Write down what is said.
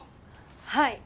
はい。